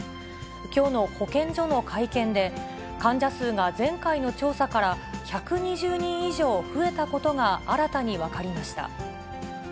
きょうの保健所の会見で、患者数が前回の調査から１２０人以上増えたことが新たに分かりま